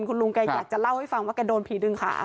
คุณลุงแกอยากจะเล่าให้ฟังว่าแกโดนผีดึงขา